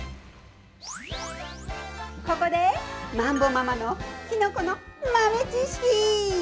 ここでまんぼママの、きのこの豆知識。